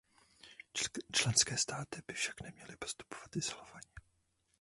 Členské státy by však neměly postupovat izolovaně.